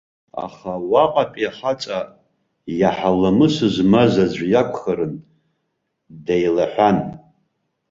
Аха уаҟатәи ахаҵа, иаҳа ламыс змаз аӡәы иакәхарын, деилаҳәан.